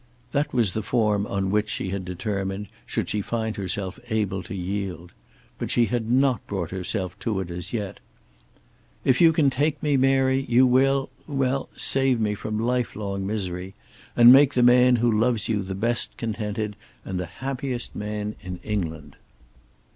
That was the form on which she had determined, should she find herself able to yield. But she had not brought herself to it as yet. "If you can take me, Mary, you will, well, save me from lifelong misery, and make the man who loves you the best contented and the happiest man in England."